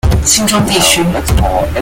新莊地區